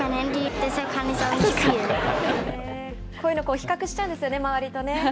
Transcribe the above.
こういうの、比較しちゃうんですよね、周りとね。